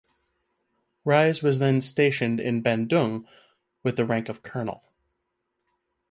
Rais was then stationed in Bandung with the rank of colonel.